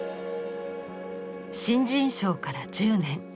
新人賞から１０年。